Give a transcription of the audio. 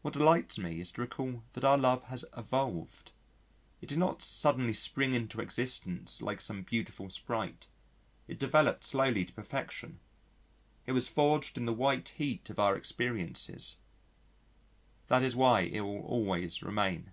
What delights me is to recall that our love has evolved. It did not suddenly spring into existence like some beautiful sprite. It developed slowly to perfection it was forged in the white heat of our experiences. That is why it will always remain.